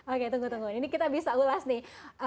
oke tunggu tunggu ini kita bisa ulas nih